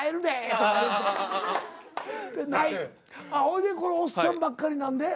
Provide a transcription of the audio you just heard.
ほいでこのおっさんばっかりなんで。